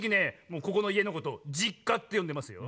もうここのいえのこと「じっか」ってよんでますよ。